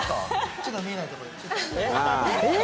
ちょっと見えないとこでチュッ。